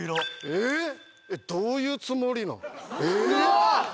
えっどういうつもりなん？えーっ？